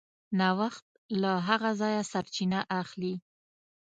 نوښت له هغه ځایه سرچینه اخلي.